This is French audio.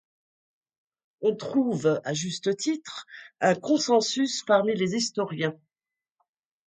On trouve, à juste titre, un consensus parmi les historiens